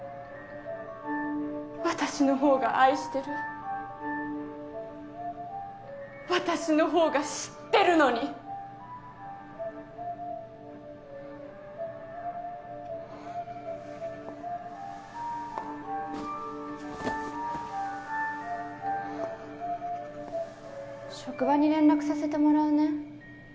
私のほうが愛してる私のほうが知ってるのに職場に連絡させてもらうね